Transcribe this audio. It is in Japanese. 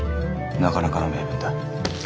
なかなかの名文だ。